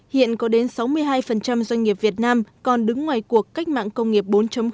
hiện có đến sáu mươi hai doanh nghiệp việt nam còn đứng ngoài cuộc cách mạng công nghiệp bốn